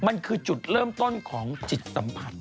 มันคือจุดเริ่มต้นของจิตสัมผัส